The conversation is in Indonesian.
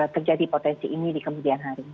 terjadi potensi ini di kemudian hari